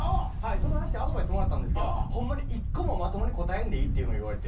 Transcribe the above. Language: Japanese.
相談してアドバイスもらったんですけどホンマに１個もまともに答えんでいいっていうの言われて。